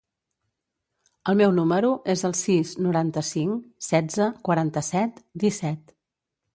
El meu número es el sis, noranta-cinc, setze, quaranta-set, disset.